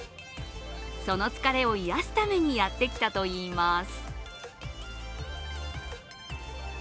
その疲れを癒やすためにやってきたといいます。